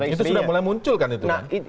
itu sudah mulai muncul kan itu kan